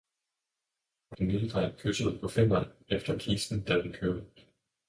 Og den lille dreng kyssede på fingeren efter kisten, da den kørte.